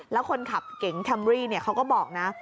แล้วคนขับเก๋งแคมรี่เขาก็บอกนะ